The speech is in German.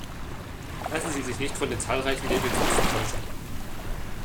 Lassen Sie sich nicht von den zahlreichen Nebelkerzen täuschen!